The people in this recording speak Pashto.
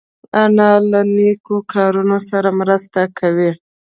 انا له نیکو کارونو سره مرسته کوي